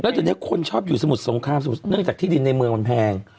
แล้วจนเนี้ยคนชอบอยู่สมุดสงครามสมุดเนื่องจากที่ดินในเมืองมันแพง